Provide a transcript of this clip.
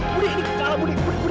budi ini kalah budi budi